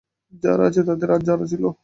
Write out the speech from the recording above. যারা আছে তাদের, আর যারা ছিল।